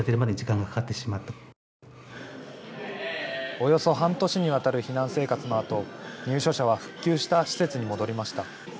およそ半年にわたる避難生活のあと入所者は復旧した施設に戻りました。